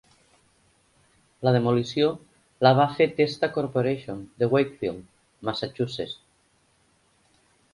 La demolició la va fer Testa Corporation de Wakefield, Massachusetts.